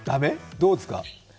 どうですか？